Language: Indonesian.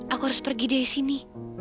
aku harus pergi dari sini